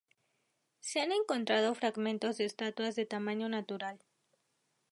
Se han encontrado fragmentos de estatuas de tamaño natural.